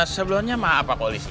sebelumnya maaf pak polisi